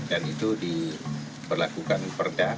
dan itu diperlakukan perda